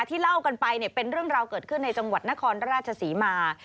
เล่ากันไปเนี่ยเป็นเรื่องราวเกิดขึ้นในจังหวัดนครราชศรีมา